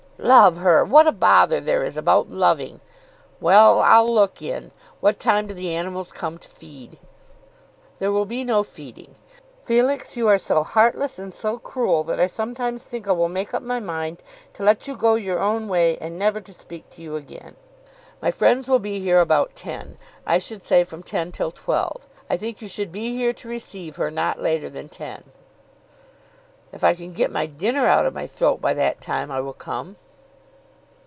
"Love her! what a bother there is about loving! Well; I'll look in. What time do the animals come to feed?" "There will be no feeding. Felix, you are so heartless and so cruel that I sometimes think I will make up my mind to let you go your own way and never to speak to you again. My friends will be here about ten; I should say from ten till twelve. I think you should be here to receive her, not later than ten." "If I can get my dinner out of my throat by that time, I will come."